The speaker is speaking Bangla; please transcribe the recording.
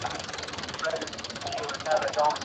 তিনি কিরক্যালডির শুল্ক বিভাগের নিয়ামক ছিলেন।